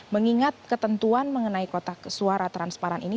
mengingat ketentuan mengenai kotak suara transparan ini